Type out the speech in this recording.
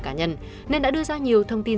cá nhân nên đã đưa ra nhiều thông tin